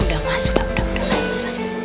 udah masuk mas masuk mas masuk